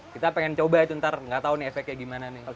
kita pengen coba ntar nggak tau nih efeknya gimana nih